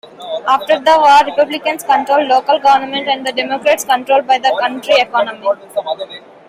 After the war, Republicans controlled local government and the Democrats controlled the county economy.